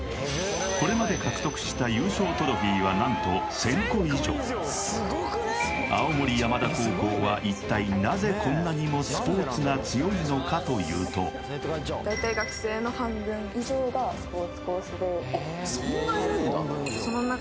これまで獲得した優勝トロフィーは何と１０００個以上青森山田高校は一体なぜこんなにもスポーツが強いのかというと大体学生の半分以上がスポーツコースであっそんないるんだえっ